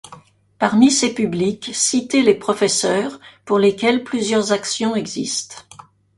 Parmi ces publics, citer les professeurs pour lesquels plusieurs actions existent.